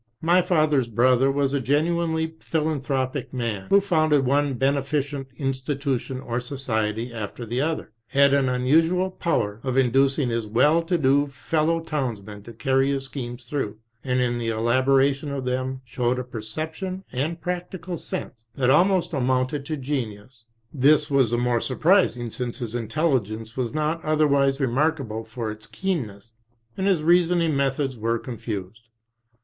My father's brother was a genuinely philanthropic man, who founded one beneficent institution or society after the other, had an unusual power of inducing his well to do fellow townsmen to carry his schemes through, and in the elabora tion of them showed a perception and practical sense that almost amounted to genius ; this was the more surprising since his intelligence was not otherwise remarkable for its keen ness and his reasoning methods were confused.